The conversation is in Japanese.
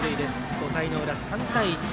５回の裏、３対１。